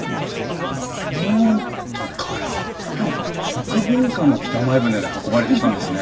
食文化も北前船で運ばれてきたんですね。